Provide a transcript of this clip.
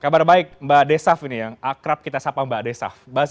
kabar baik mbak desaf ini yang akrab kita sapa mbak desa